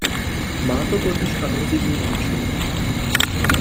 Má to totiž adhezivní účinky.